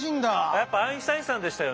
やっぱアインシュタインさんでしたよね？